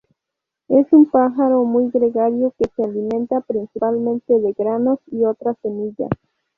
Es un pájaro muy gregario que se alimenta principalmente de granos y otras semillas.